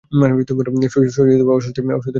শশীর অস্বস্তির সীমা থাকে না।